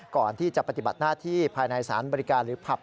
ก่อนที่จะปฏิบัติหน้าที่ภายในสารบริการหรือผลัพธ์